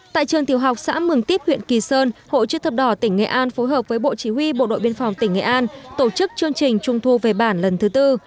tại trường tiểu học xã mường tiếp huyện kỳ sơn hội chức thập đỏ tỉnh nghệ an phối hợp với bộ chỉ huy bộ đội biên phòng tỉnh nghệ an tổ chức chương trình trung thu về bản lần thứ tư